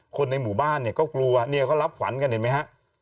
คนในหมู่บ้านเนี่ยก็กลัวเนี่ยเขารับขวัญกันเห็นไหมฮะ